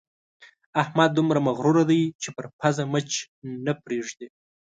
احمد دومره مغروره دی چې پر پزه مچ نه پرېږدي.